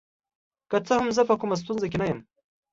که څه هم زه په کومه ستونزه کې نه یم.